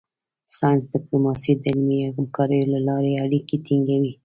ساینس ډیپلوماسي د علمي همکاریو له لارې اړیکې ټینګوي